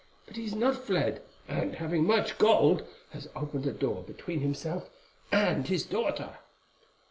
But he is not fled, and, having much gold, has opened a door between himself and his daughter."